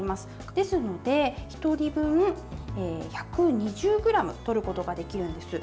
ですので、１人分１２０ｇとることができるんです。